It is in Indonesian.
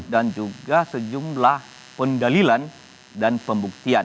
dan juga sejumlah pendalilan dan pembuktian